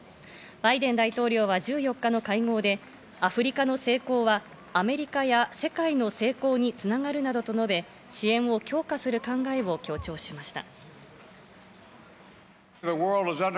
バイデン大統領は１４日の会合で、アフリカの成功はアメリカや世界の成功に繋がるなどと述べ、支援を強化する考えを強調しました。